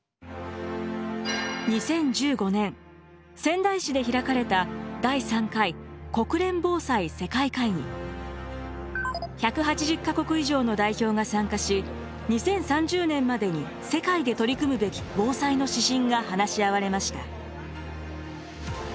２０１５年仙台市で開かれた第３回１８０か国以上の代表が参加し２０３０年までに世界で取り組むべき防災の指針が話し合われました。